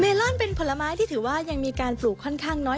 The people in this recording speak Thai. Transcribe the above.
ลอนเป็นผลไม้ที่ถือว่ายังมีการปลูกค่อนข้างน้อย